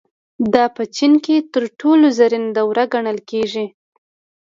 دا په چین کې تر ټولو زرینه دوره ګڼل کېږي.